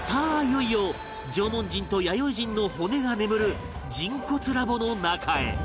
いよいよ縄文人と弥生人の骨が眠る人骨ラボの中へ